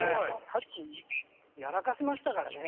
さっきやらかしましたからね。